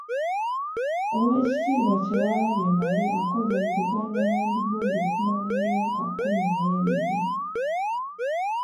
Oweekitiibwa Kyewalabye Male akoze mu Buganda Land Board okumala emyaka kkumi n'ebiri.